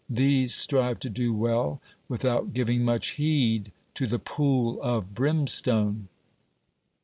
These strive to do well without giving much heed to the pool of brimstone.